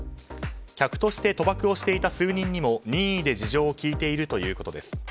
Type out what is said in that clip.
客として賭博をしていた数人にも任意で事情を聴いているということです。